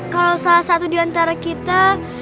kalau salah satu diantara kita